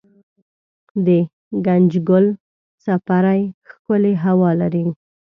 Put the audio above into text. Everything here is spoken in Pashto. دګنجګل څپری ښکلې هوا لري